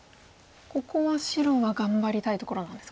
ここは白は頑張りたいところなんですか。